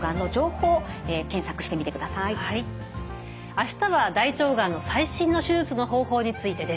明日は大腸がんの最新の手術の方法についてです。